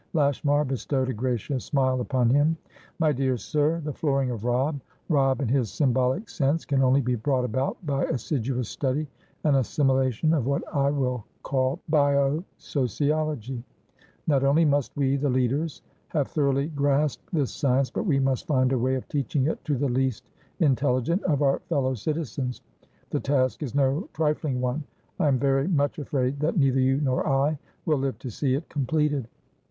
Lashmar bestowed a gracious smile upon him. "My dear sir, the flooring of RobbRobb in his symbolic sensecan only be brought about by assiduous study and assimilation of what I will call bio sociology. Not only must we, the leaders, have thoroughly grasped this science, but we must find a way of teaching it to the least intelligent of our fellow citizens. The task is no trifling one. I'm very much afraid that neither you nor I will live to see it completed."